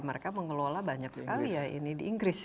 mereka mengelola banyak sekali ya ini di inggris